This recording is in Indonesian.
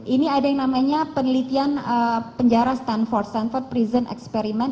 ini ada yang namanya penelitian penjara stanford stanford prison experiment